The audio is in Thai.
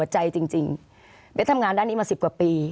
ใจจริงเบสทำงานด้านนี้มา๑๐กว่าปี